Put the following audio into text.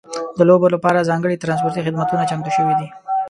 د لوبو لپاره ځانګړي ترانسپورتي خدمتونه چمتو شوي دي.